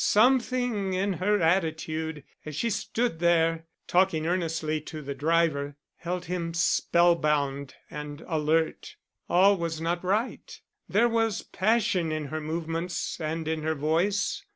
Something in her attitude, as she stood there, talking earnestly to the driver, held him spellbound and alert. All was not right; there was passion in her movements and in her voice.